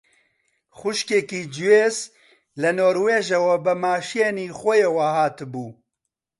خوشکێکی جۆیس لە نۆروێژەوە بە ماشێنی خۆیەوە هاتبوو